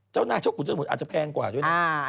เจ้านายเจ้าขุนเจ้าสมุทรอาจจะแพงกว่าด้วยนะ